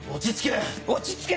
落ち着け。